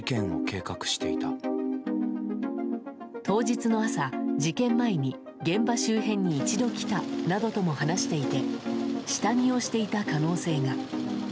当日の朝、事件前に現場周辺に一度来たなどとも話していて下見をしていた可能性が。